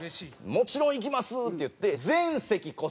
「もちろん行きます！」って言って。